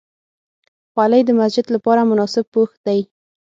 خولۍ د مسجد لپاره مناسب پوښ دی.